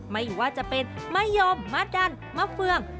ไม่ว่าจะเป็นมะยมมะดันมะเฟือง